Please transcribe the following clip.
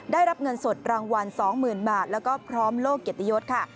ได้รับเงินสดรางวัล๒๐๐๐บาทแล้วก็พร้อมโลกเกียรติยศค่ะ